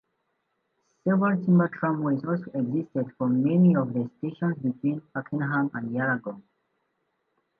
Several timber tramways also existed from many of the stations between Pakenham and Yarragon.